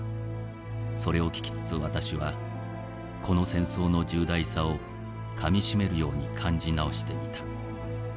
それを聞きつつ私はこの戦争の重大さを噛占めるように感じ直してみた。